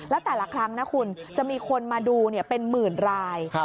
แล้วแต่ละครั้งนะคุณจะมีคนมาดูเป็นหมื่นราย